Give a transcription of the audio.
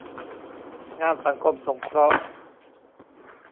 งานสังคมสงเคราะห์